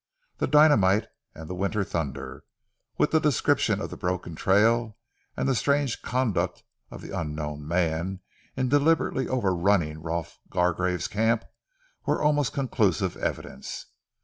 The dynamite and the winter thunder, with the description of the broken trail and the strange conduct of the unknown man in deliberately over running Rolf Gargrave's camp, were almost conclusive evidence.